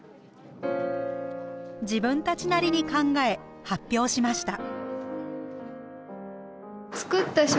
自分たちなりに考え発表しました。